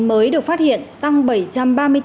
mới được phát hiện tăng bảy trăm ba mươi bốn